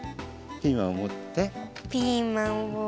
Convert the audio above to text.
ピーマンをもって。